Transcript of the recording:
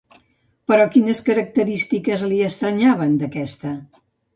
Però, quines característiques li estranyaven d'aquesta?